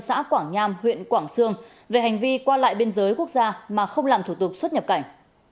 xã quảng nham huyện quảng sương về hành vi qua lại biên giới quốc gia mà không làm thủ tục xuất nhập cảnh